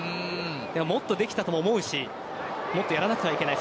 もっとできたとも思うしもっとやらなくてはいけない。